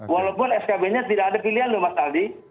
walaupun skb nya tidak ada pilihan loh mas aldi